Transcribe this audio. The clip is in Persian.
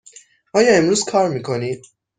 آیا امروز کار می کنید؟